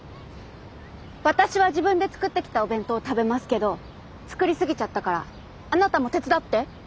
私は自分で作ってきたお弁当を食べますけど作り過ぎちゃったからあなたも手伝って。